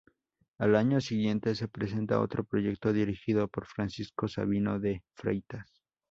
Al año siguiente se presentó otro proyecto dirigido por Francisco Sabino de Freitas.